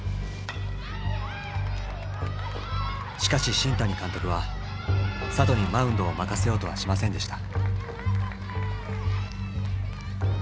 しかし新谷監督は里にマウンドを任せようとはしませんでした。